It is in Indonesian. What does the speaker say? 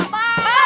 pak d aja